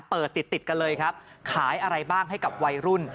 เปิดติดติดกันเลยครับขายอะไรบ้างให้กับวัยรุ่น